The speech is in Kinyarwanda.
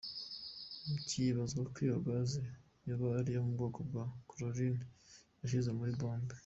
Vyibazwa ko iyo gaz yoba ari iyo mu bwoko bwa chlorine yashizwe muri bombe.